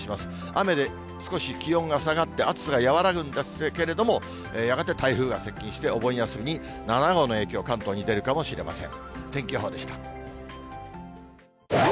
雨で少し気温が下がって、暑さが和らぐんですけれども、やがて台風が接近して、お盆休みに７号の影響、関東に出るかもしれません。